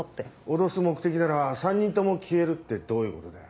脅す目的なら３人とも消えるってどういうことだよ。